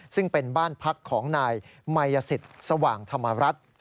ซึ่งเป็นบ้านพักของนายมายสิทธิ์สว่างธรรมรัฐ